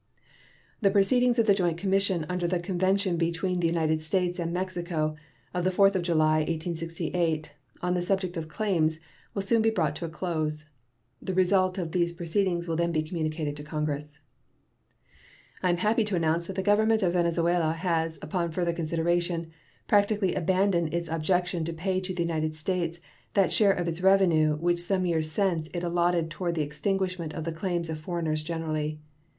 The proceedings of the joint commission under the convention between the United States and Mexico of the 4th of July, 1868, on the subject of claims, will soon be brought to a close. The result of those proceedings will then be communicated to Congress. I am happy to announce that the Government of Venezuela has, upon further consideration, practically abandoned its objection to pay to the United States that share of its revenue which some years since it allotted toward the extinguishment of the claims of foreigners generally.